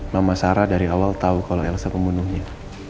mama sarah dari awal tahu kalau elsa pembunuhnya